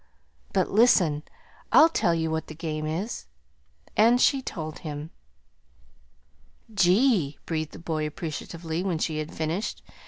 But listen. I'll tell you what the game is." And she told him. "Gee!" breathed the boy appreciatively, when she had finished.